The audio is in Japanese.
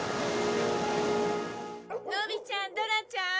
のびちゃんドラちゃん